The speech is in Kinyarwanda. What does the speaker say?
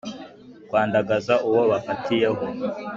kwandagaza uwo bafatiyeho